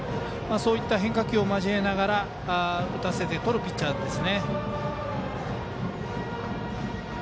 そうした変化球を交えて打たせてとるピッチャーです。